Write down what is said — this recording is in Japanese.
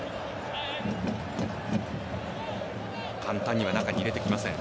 簡単には中に入れてきません。